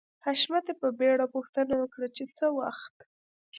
حشمتي په بېړه پوښتنه وکړه چې څه وخت